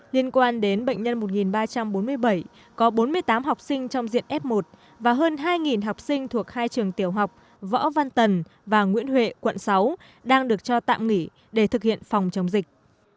liên quan đến bệnh nhân một ba trăm bốn mươi bảy có bốn mươi tám học sinh trong diện f một và hơn hai học sinh thuộc hai trường tiểu học võ văn tần và nguyễn huệ quận sáu đang được cho tạm nghỉ để thực hiện phòng chống dịch